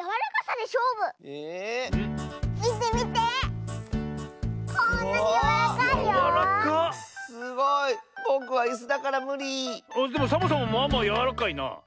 でもサボさんもまあまあやわらかいな。